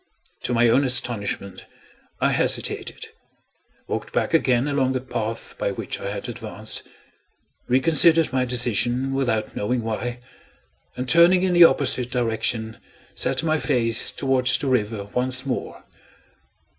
To my own astonishment, I hesitated walked back again along the path by which I had advanced reconsidered my decision, without knowing why and turning in the opposite direction, set my face towards the river once more.